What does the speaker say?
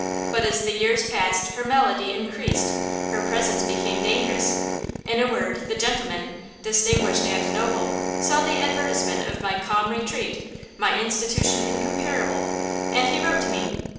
But as the years passed her malady increased; her presence became dangerous; in a word, the gentleman, distinguished and noble, saw the advertisement of my 'Calm Retreat,' my institution incomparable, and he wrote to me.